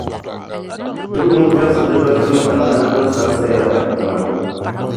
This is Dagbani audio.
n ni ŋme n-kabisi di lɔrisi ni tandaɣa din sansaya la bahi tiŋa.